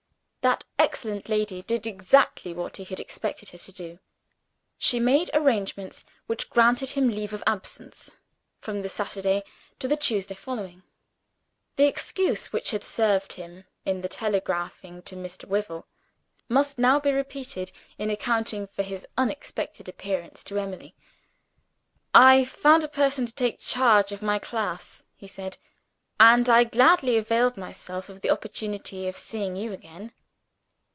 That excellent lady did exactly what he had expected her to do. She made arrangements which granted him leave of absence, from the Saturday to the Tuesday following. The excuse which had served him, in telegraphing to Mr. Wyvil, must now be repeated, in accounting for his unexpected appearance to Emily. "I found a person to take charge of my class," he said; "and I gladly availed myself of the opportunity of seeing you again."